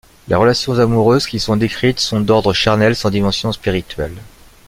Les relations amoureuses qui y sont décrites sont d'ordre charnel, sans dimension spirituelle.